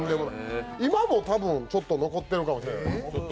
今も多分、ちょっと残ってるかもしれない。